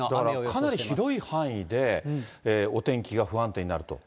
かなり広い範囲でお天気が不安定になると。